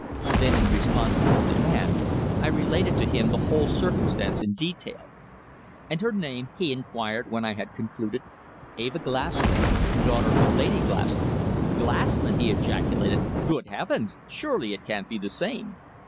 Then, in response to his demand, I related to him the whole circumstance in detail. "And her name?" he inquired, when I had concluded. "Eva Glaslyn, daughter of Lady Glaslyn." "Glaslyn!" he ejaculated. "Good heavens! Surely it can't be the same!"